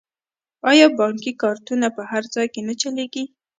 آیا بانکي کارتونه په هر ځای کې نه چلیږي؟